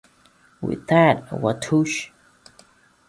With that, Watoosh!